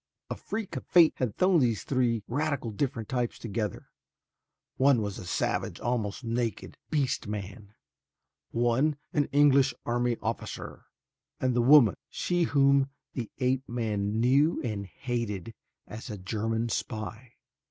A freak of fate had thrown these three radically different types together. One was a savage, almost naked beast man, one an English army officer, and the woman, she whom the ape man knew and hated as a German spy.